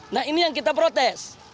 nah ini yang kita protes